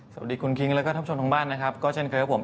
สวัสดีคุณคิงและท่อผู้ชมของบ้านนะครับก็เช่นกับผม